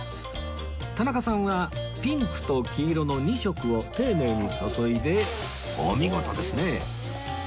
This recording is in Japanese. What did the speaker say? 田中さんはピンクと黄色の２色を丁寧に注いでお見事ですね